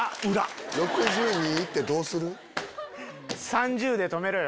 ３０で止めろよ。